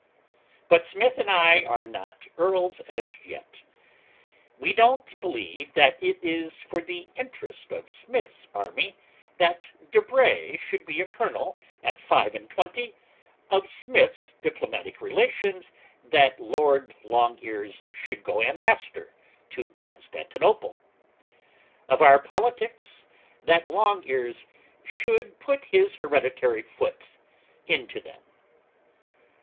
But Smith and I are not Earls as yet. 'We don't believe that it is for the interest of Smith's army that De Bray should be a Colonel at five and twenty, of Smith's diplomatic relations that Lord Longears should go Ambassador to Constantinople, of our politics, that Longears should put his hereditary foot into them.